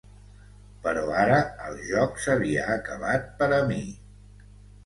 Però ara, el joc s"havia acabat per a mi.